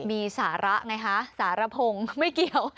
มีสาระไงคะสารพงศ์ไม่เกี่ยว